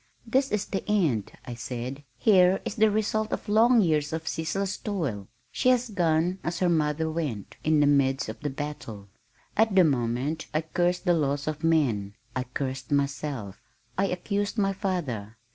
"This is the end," I said. "Here is the result of long years of ceaseless toil. She has gone as her mother went, in the midst of the battle." At the moment I cursed the laws of man, I cursed myself. I accused my father.